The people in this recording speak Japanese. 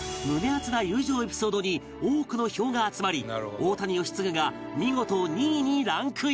アツな友情エピソードに多くの票が集まり大谷吉継が見事２位にランクイン